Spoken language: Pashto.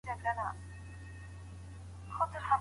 که فرضاً د طلاق واک ميرمني ته ورکړل سي.